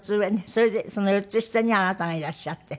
それでその４つ下にはあなたがいらっしゃって。